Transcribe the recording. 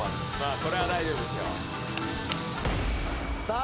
これは大丈夫ですよさあ